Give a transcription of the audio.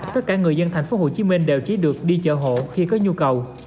tất cả người dân tp hcm đều chỉ được đi chợ hộ khi có nhu cầu